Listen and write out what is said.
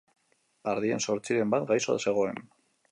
Ardien zortziren bat gaixo zegoen